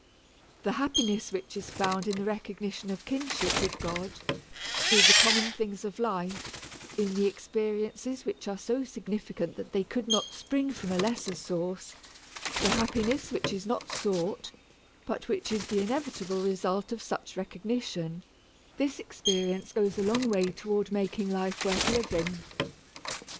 The happiness which is found in the recognition of kinship with God, through the common things of life, in the experiences which are so significant that they could not spring from a lesser source, the happiness which is not sought, but which is the inevitable result of such recognition this experience goes a long way toward making life worth living.